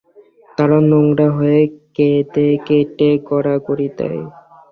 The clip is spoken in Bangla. তারা নোংরা হয়ে কেঁদেকেটে গড়াগড়ি দেয়।